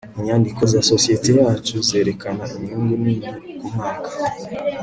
inyandiko za sosiyete yacu zerekana inyungu nini kumwaka